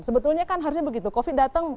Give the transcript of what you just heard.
sebetulnya kan harusnya begitu covid datang